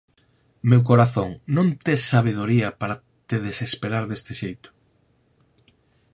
Meu corazón, non tes sabedoría para te desesperar deste xeito?